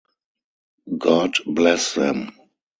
God bless them.